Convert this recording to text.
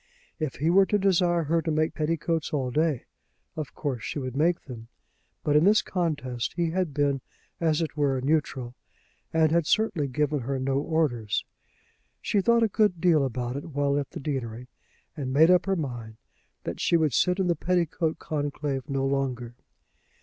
If he were to desire her to make petticoats all day, of course she would make them; but in this contest he had been, as it were, neutral, and had certainly given her no orders. She thought a good deal about it while at the deanery, and made up her mind that she would sit in the petticoat conclave no longer.